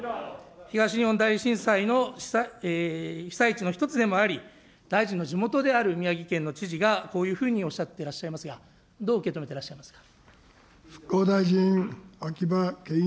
東日本大震災の被災地の一つでもあり、大臣の地元である宮城県の知事がこういうふうにおっしゃってらっしゃいますが、どう受け止めてらっしゃいますか。